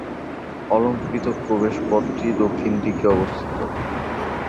অলঙ্কৃত প্রবেশ পথটি দক্ষিণ দিক অবস্থিত।